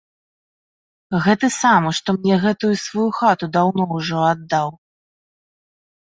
Гэты самы, што мне гэтую сваю хату даўно ўжо аддаў.